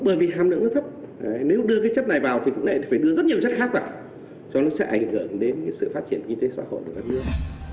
bởi vì hàm lượng nó thấp nếu đưa cái chất này vào thì cũng lại phải đưa rất nhiều chất khác vào cho nó sẽ ảnh hưởng đến sự phát triển kinh tế xã hội của đất nước